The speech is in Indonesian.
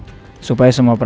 jadi saya mau ngecewain bapak